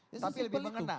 tapi lebih mengena